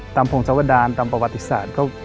ตามพงศวรรษดารณ์ตามประวัติศาสตร์